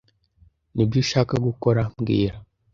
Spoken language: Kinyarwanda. Nibyo ushaka gukora mbwira